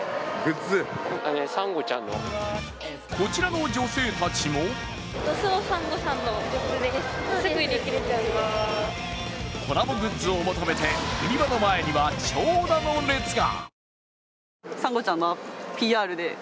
こちらの女性たちもコラボぐっずを求めて売り場の前には長蛇の列が。